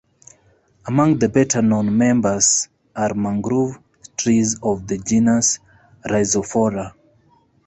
Among the better-known members are mangrove trees of the genus "Rhizophora".